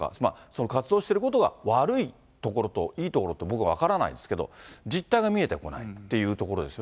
その活動していることが悪いところといいところって、僕分からないですけれども、実態が見えてこないというところです